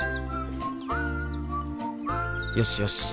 よしよし